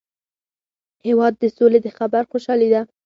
هېواد د سولي د خبر خوشالي ده.